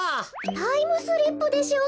タイムスリップでしょうか？